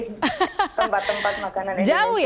tempat tempat makanan indonesia